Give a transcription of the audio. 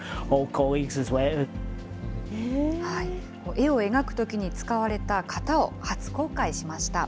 絵を描くときに使われた型を初公開しました。